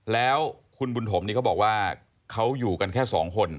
แล้วคุณบุญถมนี่เขาบอกว่าเขาอยู่กันแค่สองคน